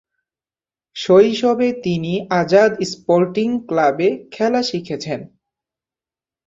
শৈশবে তিনি আজাদ স্পোর্টিং ক্লাবে খেলা শিখেছেন।